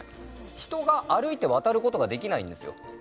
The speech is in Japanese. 人が歩いて渡ることができないんですよ